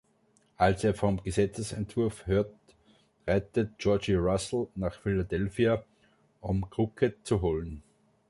Als er vom Gesetzesentwurf hört, reitet Georgie Russell nach Philadelphia, um Crockett zu holen.